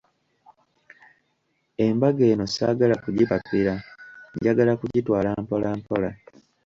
Embaga eno saagala kugipapira, njagala kugitwala mpolampola.